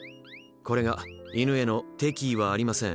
これが犬への「敵意はありません